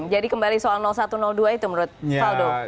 jadi kembali soal satu dua itu menurut pak aldo